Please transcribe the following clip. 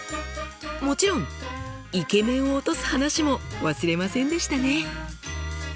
もちろんイケメンを落とす話も忘れませんでしたね！